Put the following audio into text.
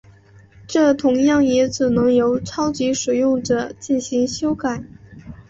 这同样也只能由超级使用者进行修改。